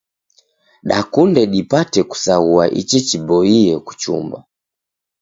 Dakunde dipate kusaghua ichi chiboie kuchumba.